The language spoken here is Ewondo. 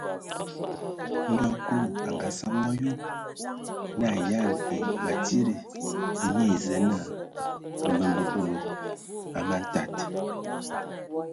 Ndɔ Kulu a ngasam wɔ a yob, nə a ayan ai batsidi, nye ai Zǝə naa: mbembe dulu, a man tad.